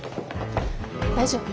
大丈夫？